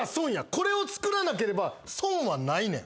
これを作らなければ損はないねん。